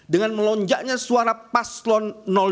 dengan melonjaknya suara paslon dua